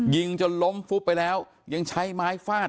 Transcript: ยิงจนล้มฟุบไปแล้วยังใช้ไม้ฟาด